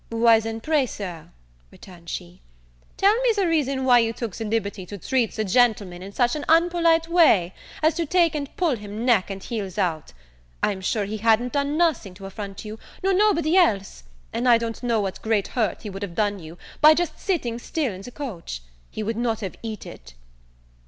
"Why, then, pray, Sir," returned she, "tell me the reaon why you took the liberty to treat the gentleman in such an unpolite way, as to take and pull him neck and heels out? I'm sure he hadn't done nothing to affront you, nor nobody else; and I don't know what great hurt he would have done you, by just sitting still in the coach; he would not have eat it."